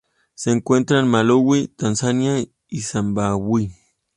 Se encuentra en Malaui, Tanzania y Zimbabue.